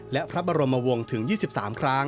และพระบรมวงศ์ถึง๒๓ครั้ง